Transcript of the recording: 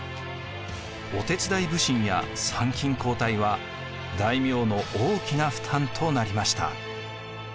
御手伝普請や参勤交代は大名の大きな負担となりました。